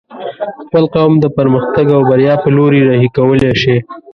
خپل قوم د پرمختګ او بريا په لوري رهي کولی شې